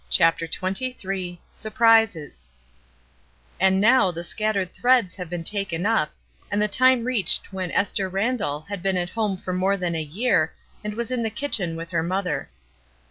CHAPTER XXIII SURPRISES AND now the scattered threads have been taken up, and the time reached when Esther Randall had been at home for more than a year, and was in the kitchen with her mother.